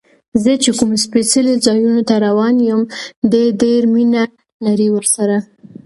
زه چې کوم سپېڅلو ځایونو ته روان یم، دې ډېر مینه لري ورسره.